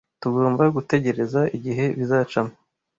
Tugomba gutegereza igihe bizacamo